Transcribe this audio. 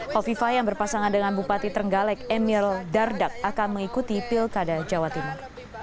hovifah yang berpasangan dengan bupati trenggalek emil dardak akan mengikuti pilkada jawa timur